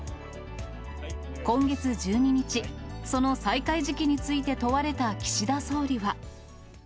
今月１２日、その再開時期について問われた岸田総理は。